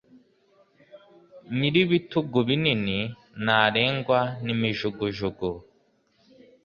nyiri ibitugu binini ntarengwa n'imijugujugu